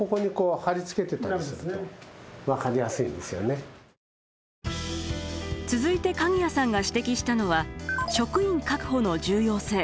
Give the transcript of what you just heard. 更に続いて鍵屋さんが指摘したのは職員確保の重要性。